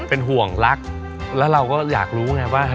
เป็นห่วงรักแล้วเราก็อยากรู้ไงว่า